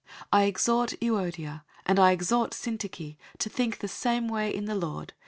004:002 I exhort Euodia, and I exhort Syntyche, to think the same way in the Lord.